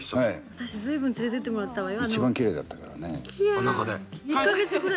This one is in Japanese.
私随分連れてってもらったわよ。